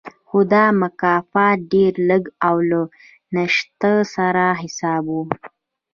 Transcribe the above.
خو دا مکافات ډېر لږ او له نشت سره حساب و